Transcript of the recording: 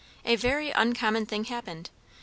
A very uncommon thing happened. Mrs.